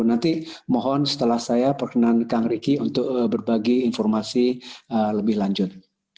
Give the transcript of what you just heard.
nanti mohon setelah saya perkenankan kang ricky untuk berbagi informasi lebih lanjut